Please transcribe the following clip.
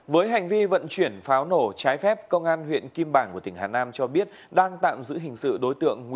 với hành vi vận chuyển pháo nổ trái phép công an huyện kim bảng của tỉnh hà nam cho biết đang tạm giữ hình sự đối tượng